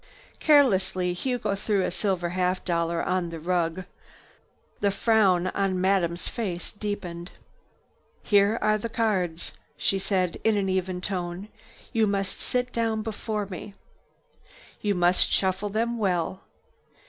Carelessly, Hugo threw a silver half dollar on the rug. The frown on Madame's face deepened. "Here are the cards," she said in an even tone. "You must sit down before me. You must shuffle them well.